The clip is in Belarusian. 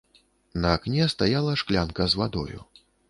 На акне стаяла шклянка з вадою.